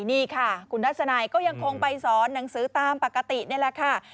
นี่ค่ะคุณทัศนัยก็ยังคงไปสอนหนังสือตามปกตินี่แหละค่ะ